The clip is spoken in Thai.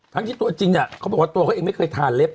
ทั้งที่ตัวจริงเนี่ยเขาบอกว่าตัวเขาเองไม่เคยทานเล็บ